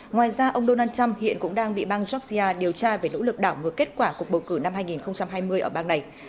ngoài ra ông donald trump hiện cũng đang bị bang georgia điều tra về nỗ lực đảo ngược kết quả cuộc bầu cử năm hai nghìn hai mươi ở bang này